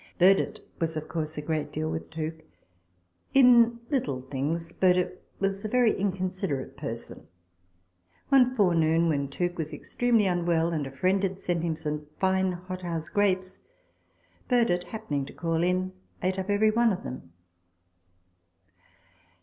Burdett was, of course, a great deal with Tooke. In little things, Burdett was a very inconsiderate person. One forenoon, when Tooke was extremely unwell, and a friend had sent him some fine hot house grapes, Burdett, happening to call in, ate up every one of them.